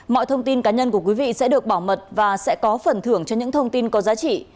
mọi thông tin cá nhân của quý vị sẽ được bảo mật và sẽ có phần thưởng cho những thông tin có giá trị